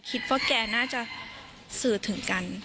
คิดว่าแกน่าจะสื่อถึงกัน